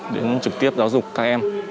đến trực tiếp giáo dục các em